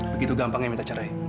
begitu gampangnya minta cerai